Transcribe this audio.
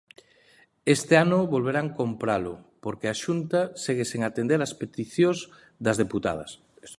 Este ano volverán compralo, porque a Xunta segue sen atender as peticións das deputadas.